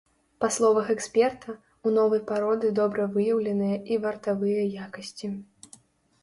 Па словах эксперта, у новай пароды добра выяўленыя і вартавыя якасці.